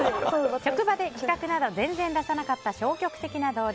職場で企画など全然出さなかった消極的な同僚。